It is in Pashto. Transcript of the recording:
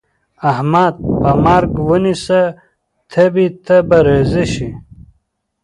احمد په مرګ ونيسه؛ تبې ته به راضي شي.